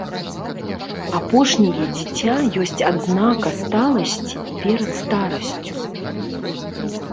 Апошняе дзіця ёсць адзнака сталасці перад старасцю.